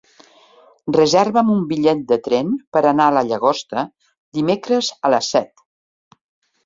Reserva'm un bitllet de tren per anar a la Llagosta dimecres a les set.